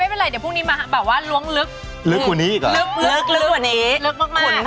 ก็คือมันก็ป๕ถึงป๖มันก็หายไปแล้วก็คือโรงเรียนวัฒนายมมันก็ไม่ได้อยู่ด้วยกัน